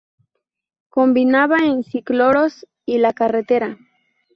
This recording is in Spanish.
Combinaba el Ciclocross y la carretera.